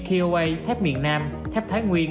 kioa thép miền nam thép thái nguyên